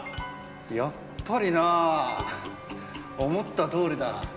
やっぱりなあ思ったとおりだ。